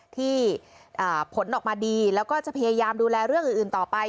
ที่ผลออกมาดีแล้วก็จะพยายามดูแลเรื่องอื่นต่อไป